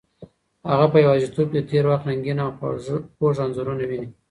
هغه په یوازیتوب کې د تېر وخت رنګین او خوږ انځورونه ویني.